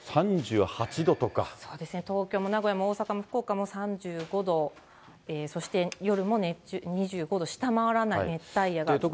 そうですね、東京も名古屋も大阪も福岡も３５度、そして夜も２５度下回らない熱帯夜が続きそうです。